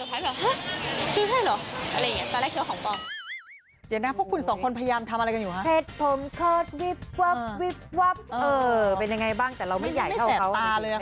เป็นอย่างไรบ้างแต่เราไม่ใหญ่กว่าเขา